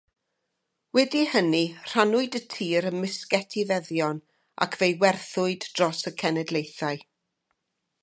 Wedi hynny rhannwyd y tir ymysg etifeddion ac fe'i werthwyd dros y cenedlaethau.